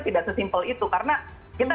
tidak sesimpel itu karena kita